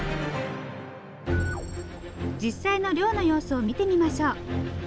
実際の漁の様子を見てみましょう。